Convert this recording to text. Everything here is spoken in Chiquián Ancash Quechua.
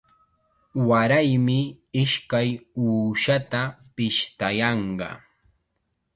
Waraymi ishkay uushata pishtayanqa.